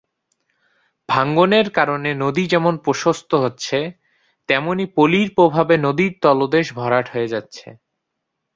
ভাঙনের কারণে নদী যেমন প্রশস্ত হচ্ছে, তেমনি পলির প্রভাবে নদীর তলদেশ ভরাট হয়ে যাচ্ছে।